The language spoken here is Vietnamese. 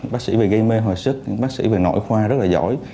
bác sĩ về gây mê hồi sức những bác sĩ về nội khoa rất là giỏi